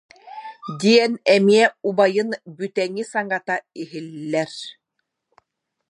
диэн эмиэ убайын бүтэҥи саҥата иһиллэр